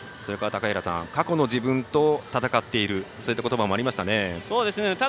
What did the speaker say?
過去の自分と闘っているそういったことばもありました。